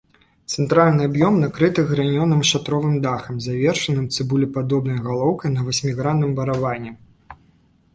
Цэнтральны аб'ём накрыты гранёным шатровым дахам, завершаным цыбулепадобнай галоўкай на васьмігранным барабане.